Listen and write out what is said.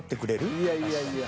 いやいやいや。